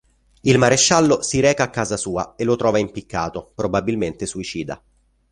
Il maresciallo si reca a casa sua e lo trova impiccato, probabilmente suicida.